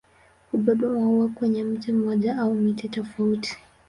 Hubeba maua kwenye mti mmoja au miti tofauti.